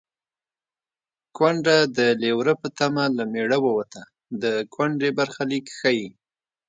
کونډه د لېوره په تمه له مېړه ووته د کونډې برخلیک ښيي